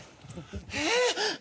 えっ！？